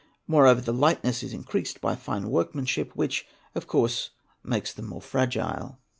Moreover the lightness is increased by fine workmanship, which © of course makes them more fragile.